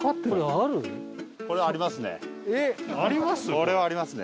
これはありますね。